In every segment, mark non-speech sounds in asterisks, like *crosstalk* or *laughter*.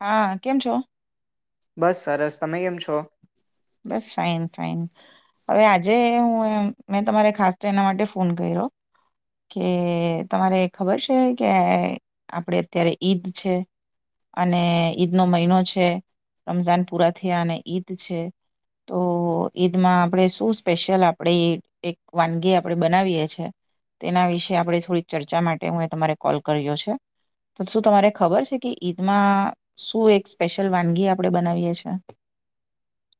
હા કેમ છો. બસ સરસ તમે કેમ છો. બસ ફાઈન ફાઈન હવે આજે હું મેં તમારે ખાસ તો એના માટે ફોન કર્યો કે તમારે ખબર છે કે આપડ અત્યારે ઈદ છે અને ઈદનો મહિનો છે રમઝાન પૂરા થયા અને ઈદ છે. તો ઈદમાં આપણે શું સ્પેશિયલ આપણે એક વાનગી આપણે બનાવીએ છેએ તેના વિશે આપણે થોડીક ચર્ચા માટે હું એ તમારે કોલ કર્યો છે તો શું તમારે ખબર છે કે ઈદમાં શું એક સ્પેશિયલ વાનગી આપણે બનાવીએ છે.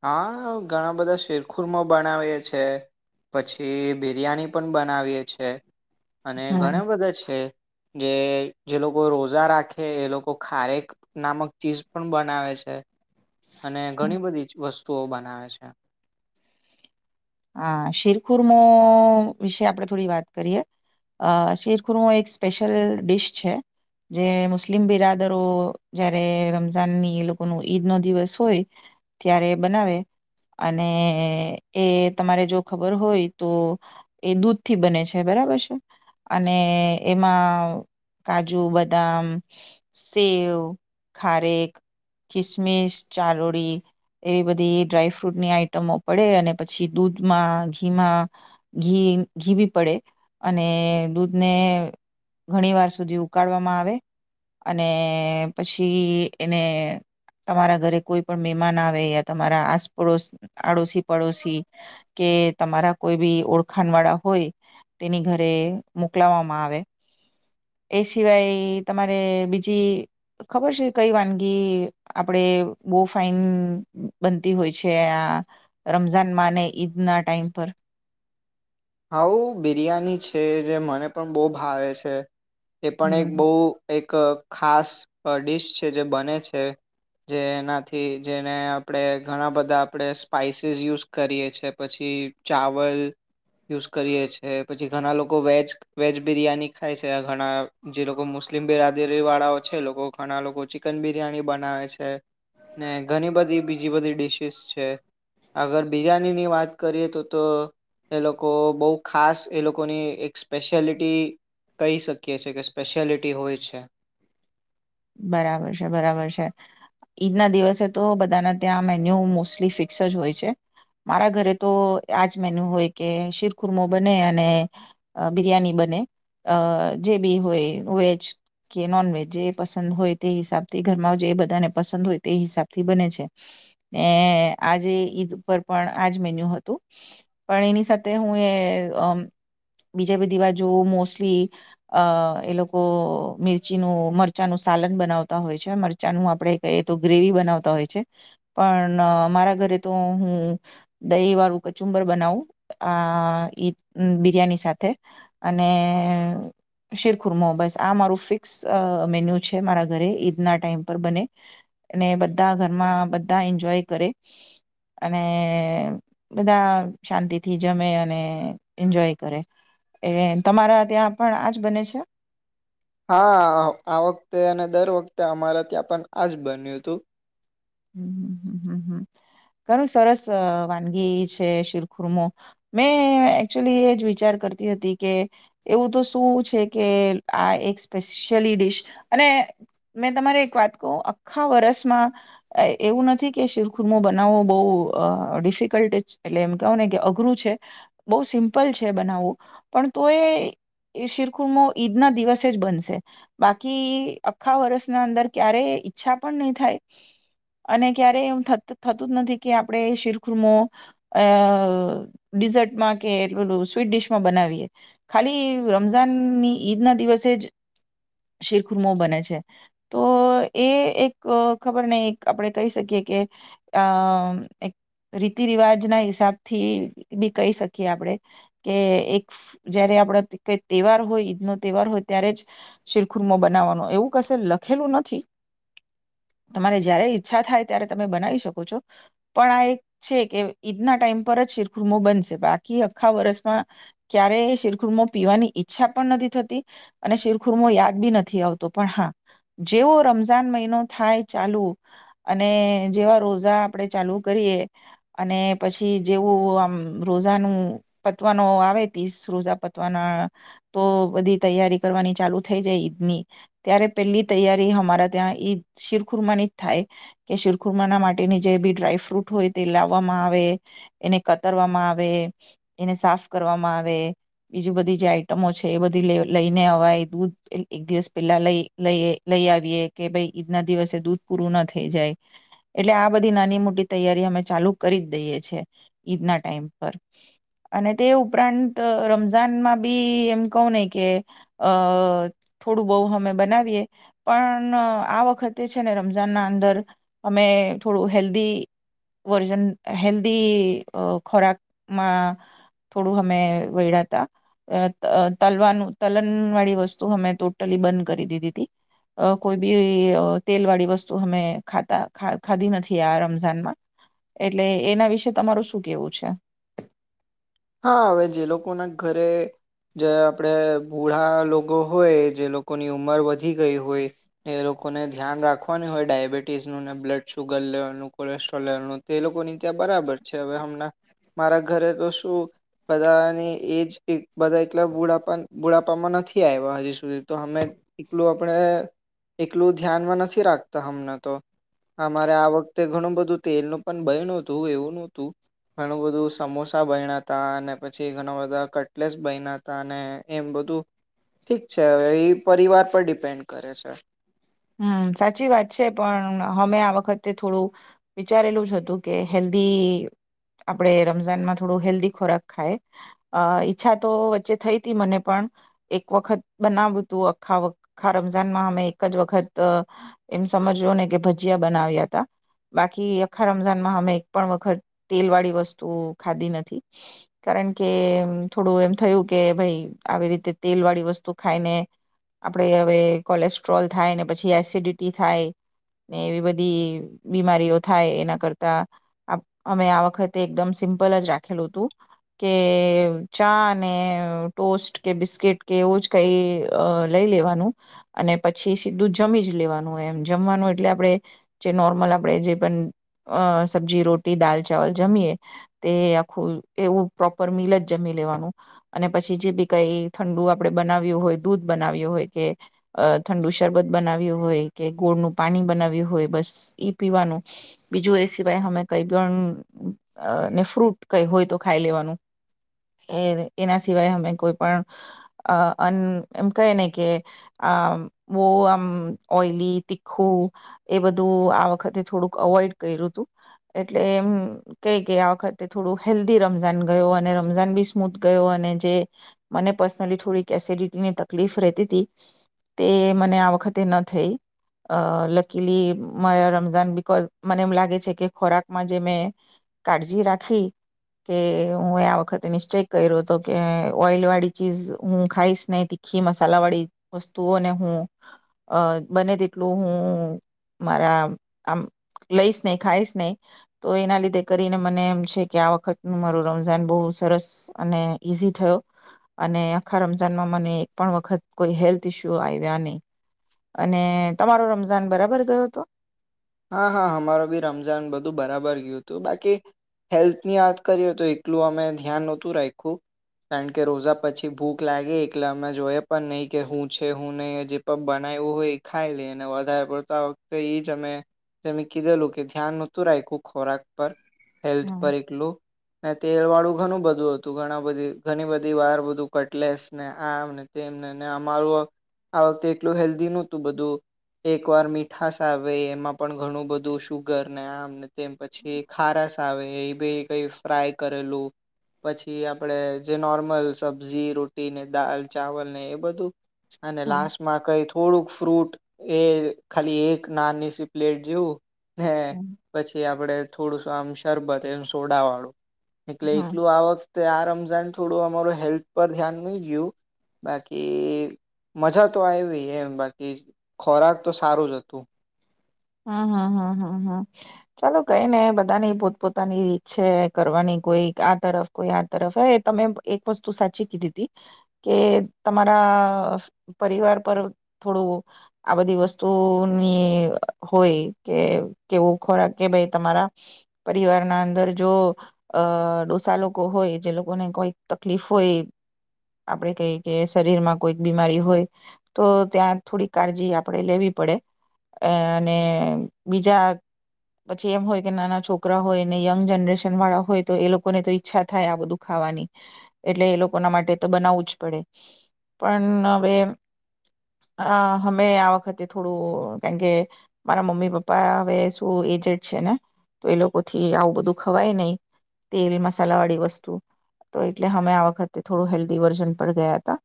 હા ઘણા બધા શિરખુરમાં બનાવીએ છે પછી બિરિયાની પણ બનાવીએ છે. અને હમ ઘણા બધા છે. જે જે લોકો રોજા રાખે એ લોકો ખારેક નામક ચીજ પણ બનાવે છે. અને ઘણી બધી વસ્તુઓ બનાવે છે. હા શિરખુરમો વિશે આપણે થોડી વાત કરીએ શિરખુર્મો એક સ્પેશિયલ ડીશ છે જે મુસ્લિમ બિરાદરો જયારે રમઝાનની એ લોકોનું ઈદ નો દિવસ હોય ત્યારે બનાવે અને એ તમારે જો ખબર હોય તો એ દૂધ થી બને છે બરાબર છે અને એમાં કાજુ બદામ સેવ ખારેક ખિસમિસ ચારોડી એવી બધી ડ્રાયફ્રૂટની આઈટમો પડે અને પછી દૂધમાં ઘીમાં ઘી ઘી ભી પડે અને દૂધને ઘણી વાર સુધી ઉકાળવામાં આવે અને પછી એને તમારા ઘરે કોઈ પણ મહેમાન આવે યા તમારા આસપડોશ આડોશી પડોશી કે તમારા કોઈ બી ઓળખાણ વાળા હોય તેની ઘરે મોકલાવામાં આવે. એ સિવાય તમારે બીજી ખબર છે કઈ વાનગી આપણે બો ફાઇન બનતી હોય છે આ રમઝાનમાં અને ઈદના ટાઈમ પર. હઉું બિરિયાની છે જે મને પણ બો ભાવે છે. એ પણ એક હમ બહુ એક એક ખાસ ડીશ છે જે બને છે જેનાથી જેને આપણે ઘણા બધા આપણે સ્પાઈસીસ યુઝ કરીએ છે પછી ચાવલ યુઝ કરીએ છે પછી ઘણા લોકો વેજ વેજ બિરિયાની ખાય છે ઘણા જે લોકો મુસ્લિમ બિરાદરી વાળાઓ છે એ લોકો ઘણા લોકો ચિકન બિરિયાની બનાવે છે ને ઘણી બધી બીજી બધી ડીશીસ છે આગળ બિરિયાનીની વાત કરીએ તો તો એ લોકો બહુ ખાસ એ લોકોની એક સ્પેશિયાલિટી કહી શકીએ છે કે સ્પેશિયાલિટી હોય છે. બરાબર છે બરાબર છે ઈદના દિવસે તો બધાના ત્યાં મેન્યુ મોસ્ટલી ફિક્સ જ હોય છે મારા ઘરે તો આજ મેન્યુ હોય કે શીરખુરમો બને અને બિરિયાની બને અ જે બી હોય વેજ કે નોનવેજ જે પસંદ હોય તે હિસાબથી ઘરમાં જે એ બધાને પસંદ હોય તે હિસાબ થી બને છે ને આજે ઈદ ઉપર પણ આજ મેન્યુ હતું પણ એની સાથે હું એ બીજા બધી બાજુ મોસ્ટલી અ એ લોકો મિરચીનું મરચ મરચાનું સાલન બનાવતા હોય છે મરચાંનું આપણે કએ તો ગ્રેવી બનાવતા હોય છે પણ મારા ઘરે તો હું દહીવાળું કચુંબર બનાવું આ એ બિરયાની સાથે અને શિરખુરમા બસ આ મારું ફિક્સ આ મેન્યુ છે મારા ઘરે ઈદના ટાઈમ પર બને અને બધા ઘરમાં બધા એન્જોય કરે અને બધા શાંતિથી જમે અને એન્જોય કરે એ તમારા ત્યાં પણ આજ બને છે. હા આ વખતે અને દર વખતે અમારા ત્યાં પણ આજ બન્યું હતું. ઘણું સરસ વાનગી છે શિરખુરમો મેં એકચુલી એ જ વિચાર કરતી હતી કે એવું તો શું છે કે આ એક સ્પેશિયલી ડિશ અને મેં તમારે એક વાત કહું આખા વર્ષમાં એ એવું નથી કે શિરખુરમો બનાવવો બો આ ડિફિકલ્ટ ડીસ એટલે એમ કહવો ને કે અઘરું છે બહુ સિમ્પલ છે બનાવવું પણ તો એ શિરખુરમો ઈદના દિવસે જ બનશે બાકી આખા વર્ષના અંદર ક્યારેય ઈચ્છા પણ નહીં થાય. અને ક્યારેય એમ થતું જ નથી કે આપણે શિરખુરમો અ ડિઝર્ટમાં કે એટલે બલું સ્વીટ ડીશમાં બનાવીએ ખાલી રમઝાનની ઈદ ના દિવસે જ શિરખુર્મો બને છે તો એ એક ખબર ને આપણે કહી શકીએ કે આ એક રીતિ રિવાજ ના હિસાબ થી બી કહી શકીએ આપણેે કે એક જયારે આપડે કઈ તહેવાર હોય ઈદ નો તહેવાર હોય ત્યારે જ શિરખુરમા બનાવવાનો એવું કશે લખેલું નથી તમારે જય્યારે ઈ ઈચ્છા થાય ત્યારે તમે બનાવી શકો છો પણ આ એક છે કે ઈદના ટાઈમ પર જ શીરખુરમો બનશે બાકી આખા વર્ષમાં ક્યારેય શિરખુર્મો પીવાની ઈચ્છા પણ નથી થતી અને શિરખુરમો યાદ બી નથી આવતો પણ હા જેવો રમઝાન મહિનો થાય ચાલુ અને જેવા રોજા આપડે ચાલુ કરીએ અને પછી જેવું આમ રોજાનું પતવાનો આવે તીસ રોજા પતવાના તો બધી તૈયારી કરવાની ચાલુ થઈ જાય ઈદ ની ત્યારે પેલી તૈયારી અમારા ત્યાં ઈદ શિરખુરમાંની થાય કે શુરખુરમાના માટેની જે બી ડ્રાયફ્રૂટ હોય તે લાવવામાં આવે એને કતરવામાં આવે એને સાફ કરવામાં આવે બીજું બધી જે આઈટમો છે એ બધી લે લઈને અવાય દૂધ એક દિવસ પેલા લઈ લઈ લઈ આવીએ કે ભાઈ ઈદના દિવસે દૂધ પૂરું ન થઈ જાય એટલે આ બધી નાની મોટી તૈયારી અમે ચાલુ કરી દ દઈએ છીએ ઈદના ટાઈમ પર અને તે ઉપરાંત રમઝાનમાં બી એમ કહું ને કે અ થોડું બહુ અમે બનાવીએ પણ આ વખતે છે ને ર રમજાન અંદર અમે થોડું હેલ્ધ વર્જન હેલ્ધી ખોરાકમાં થોડું અમે વેળાતા આ તલવાનું તલન વાળી વસ્તુ અમે ટોટલી બંધ કરી દીધી તી કોઈ બી તેલ વાળી વ વસ્તુ અમે ખાતા ખાધી નથી આ રમજાનમાં એટલે એના વિશે તમારું શું કેવું છે. હા હવે જે લોકોના ઘરે જે આપણે ભૂઢા લોકો હોય જે લોકોની ઉંમર વધી ગઈ હોય એ લોકોને ધ્યાન રાખવાની હોય ડયાબિટીસનું ને બ્લડ શુગર લેવલનું કોલેસ્ટ્રોલ લેવલનું તે લોકોની ત્યાં બરાબર છે હવે હમણાં મારા ઘરે તો શું બધાની એજ બધા એકલા બોડા બુડાપામાં નથી આવ્યા હજી સુધી તો અમે એકલું આપણે એકલું ધ્યાનમાં નથી રાખતા હમણાં તો અમારે આ વખતે ઘણું બધું તેલનું પણ બાયણું હતું એવું નું હતું ઘણું બધું સમોસા બેયનાં તા અને પછી ઘણા બધા કટલેસ બેયના હતા એમ બધું ઠીક છે હવે એ પરિવાર પર ડિપેન્ડ કરે છે. હમ્મ સાચી વાત છે પણ અમે આ વખતે થોડું વિચારેલું જ હતું કે હેલ્ધી આપડે રમઝાનમાં થોડું હેલ્ધી ખોરાક ખાય અ ઈચ્છા તો વચ્ચે થઈ હતી મને પણ એક વખત બનાવતું આખાખા રમઝાનમાં અમે એક જ વખત તા એમ સમજો ને કે ભજીયા બનાવ્યા હતા બાકી આખા રમજાનમાં અમે એક પણ વખત તેલ વાળી વસ્તુ ખાધી નથી કારણ કે થોડું એમ થયું કે ભાઈ આવી રીતે તેલ વાળી વસ્તુ ખાઈને આપણેે હવે કોલેસ્ટ્રોલ થાય ને પછી થી એસિડિટી થાય ને એવી બધી બીમારીઓ થાય એના કરતા અમે આ વખતે એકદમ સિમ્પલ જ રાખેલું હતું કે ચા અને ટોસ્ટ કે બિસ્કીિટ કે એવું જ કઈ લઈ લેવાનું અને પછી સીધું જ જમી જ લેવાનું હોય એમ જમવાનું એટલે આપણે જે નોર્મલ આપણે જે પણ સબ્જી રોટી દાલ ચાવલ જમીએ તે આખું એવું પ્રોપર મિલ જ જમી લેવાનું અને પછી જે બી કઈ ઠંડુ આપણે બનાવ્યું હોય દૂધ બનાવ્યું હોય કે ઠંડુ શરબત બનાવ્યું હોય કે ગોળનું પાણી બનાવ્યું હોય બસ એ પીવાનું બીજું એ સિવાય અમે કઈ પણને ફ્રૂટ કઈ હોય તો ખાઈ લેવાનું એ એના સિવાય અમે કોઈ પણ આ આન એમ કહે ને કે આટલું આમ આમ ઓઈલી તીખું એ બધું આ વખતે થોડુંક અવોઈડ કર્યું હતું એટલે એમ કઈ કે આ વખતે થોડું હેલ્ધી રમઝાન ગયો અને રમઝાન બી સ્મૂથ ગયો અને જે મને પર્સનલી થોડીક એસિડિટીની તકલીફ રહેતી હતી તે મને આ વખતે તે ન થઈ અ લકીલી મારા રમઝાન બિકોઝ મને એમ લાગે છે કે ખોરાકમાં જે મેં કાળજી રાખી કે હું આ વખતે નિશ્ચય કર્યો હતો કે ઓઈલ વાળી ચીઝ હું ખાઈશ ને તીખી મસાલા વાળી વસ્તુઓને હું અ બને તેટલું હું મારા આમ લઈશ નહીં ખાઈશ નહીં તો એના લીધે કરીને મને એમ છે કે આ વખતનું મારું રમઝાન બહુ સરસ અને ઈઝી થયો અને આખા રમઝાનમાં મને એક પણ વખત કોઈ હેલ્થ ઇસ્યુ આવ્યા નહીં. અને તમારો રમઝાન બરાબર ગયો હતો. હા હા અમારો બી રમજાન બધું બરાબર ગયું હતું બાકી. હેલ્થની વાત કરીએ તો એટલું અમે ધ્યાન નહોતું રાખીયું કારણ કે રોજા પછી ભૂખ લાગે એટલે અમે જોએ પણ નહીં કે હું છે હું નહીં જે પણ બનાવ્યું હોય એ ખાઈ લઈ અને વધારે પડતા વખતે એ જ અમે. જે કીધેલું કે ધ્યાન નહોતું રાખખું ખોરાક પર. હેલ્થ હા પર એટલું તેલ વાળું ઘણું બધું હતું ઘણા બધી ઘણી બધી વાર બધું કટલેસ ને આ ને તેમને ને અમારું આ વખતે એટલું હેલ્ધી નહતું બધું એક વાર મીઠશ આવે એમાં. પણ ઘણું બધું સુુગર ને આમને તેમ પછી ખારસ આવે એ બ કઈ ફ્રાય કરેલું પછી આપણેે જે નોર્મલ સબ્જી રોટી ને દાલ ચાવલ ને એ બધું. અને હા લાસ્ટમાં કઈ થોડુંક શુ ફ્રૂટ એ ખાલી એક નાનની સી પ્લેજો. હે હા પછી આપડે થોડુંસું આમ શરબત એમ સોડા વાળું. એટલે હમ એકલું આ વખતે આરામ. થોડું અમાર હેલ્થ પર ધ્યાન નહી ગયું, બાકી મજા તો આવી એમ, બાકી ખોરાક તો સારું જ હતું. હમ્મ હમ્મ હમ્મ ચાલો કઈ ને બધાની પોતપોતાની રીત છે. કરવાની કોઈ આ તરફ કોઈ આ તરફ હોયે તમે એક વસ્તુ સાચી કીધી હતી કે તમારા પરિવાર પર થોડું આ બધી વસ્તુની હોય કે કેવું ખોરાક કે ભાઈ તમારા પરિવારના અંદર જો અ ડોસા લોકો હોય, જે લોકોને કોઈક તકલીફ હોય આપણે કઈ કે શરીરમાં કોઈક બીમારી હોય તો ત્યાં થોડી કાળજી આપણેે લેવી પડે અ ને બીજા પછી એમ હોય કે નાના છોકરા હોય ને યંગ જનરેશન વાળા હોય તો, એ લોકોને તો ઈચ્છા થાય આ બધું ખાવાની એટલે એ લોકોના માટે તો બનાવવું જ પડે, પણ હવે આ હમે આ વખતે થોડું કારણ કે મારા મમ્મી પપ્પા હવે શું એજડ છે ને તો એ લોકોથી આવું બધું ખવાય નહી તેલ મસાલા વાળી વસ્તુ તો એટલે અમે આ વખતે થોડું હેલ્ધી વર્ઝન પર ગયા હતા.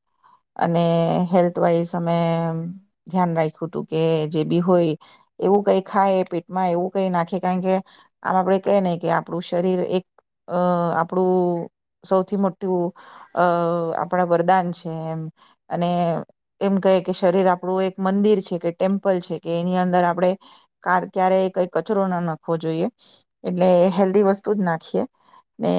અને હેલ્થ વાઈઝ અમે ધ્યાન રાખ્યું હતું કે જે બી હોય એવું કઈ ખાય પેટમાં એવું કઈ નાખે કારણ કે આમ આપડે કહે નહી કે આપણું શરીર એક અ આપણું સૌથી મોટું અ આપણા વરદાન છે. એમ અને એમ કહે કે શરીર આપણું એક મંદિર છે કે ટેમ્પલ છે કે એની અંદર આપણે કર ક્યારેય કઈ કચરો ના નાખવો જોઈએ એટલે હેલ્ધી વસ્તુ જ નાખીએ ને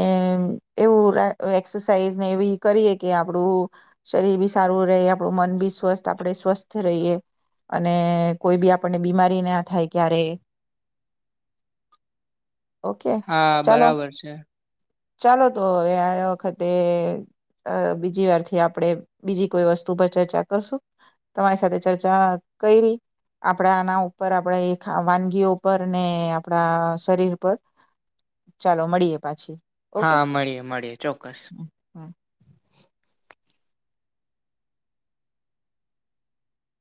એવું એક્સરસાઇઝને એવી કરીએ કે આપણું શરીર બી સારું રહે આપણું મન બી સ્વસ્થ આપણે સ્વસ્થ રહીએ અને કોઈ બી આપણે બીમારી ના થાય ક્યારે ઓકે હા ચાલો બરાબર છે. ચાલો તો હવે આ વખતે અ બીજી વારથી આપણે બીજી કોઈ વસ્તુ પર ચર્ચા કરશુ તમારી સાથે ચર્ચા કયરી આમ આપણે આના ઉપર આપણેે વાનગીઓ પર ને આપડા શરીર પર ચાલો મળીએ પાછી ઓકે હા મળીએ મળીએ ચોક્કસ. *inaudible*